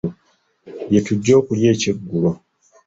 Lye tujja okulya ekyeggulo.